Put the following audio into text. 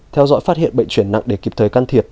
theo dõi phát hiện bệnh chuyển nặng để kịp thời can thiệp